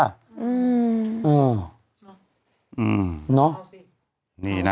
อือน่านี่นะ